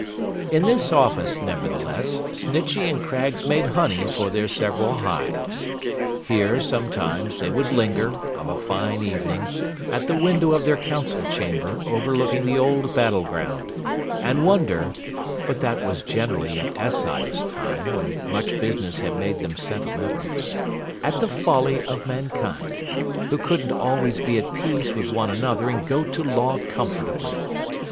In this office, nevertheless, Snitchey and Craggs made honey for their several hives. Here, sometimes, they would linger, of a fine evening, at the window of their council chamber overlooking the old battle ground, and wonder (but that was generally at assize time, when much business had made them sentimental) at the folly of mankind, who couldn't always be at peace with one another and go to law comfortably.